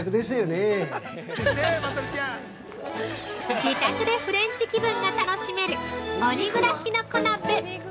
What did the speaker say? ◆自宅でフレンチ気分が楽しめるオニグラきのこ鍋。